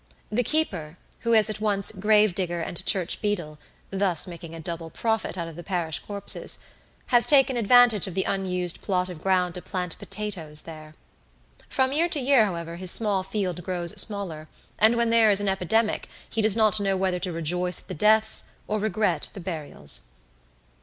The keeper, who is at once gravedigger and church beadle (thus making a double profit out of the parish corpses), has taken advantage of the unused plot of ground to plant potatoes there. From year to year, however, his small field grows smaller, and when there is an epidemic, he does not know whether to rejoice at the deaths or regret the burials.